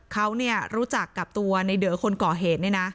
เขารู้จักกับตัวในเดอคนก่อเหตุ